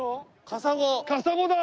カサゴだ。